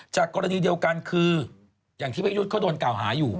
กรณีเดียวกันคืออย่างที่พี่ยุทธ์เขาโดนกล่าวหาอยู่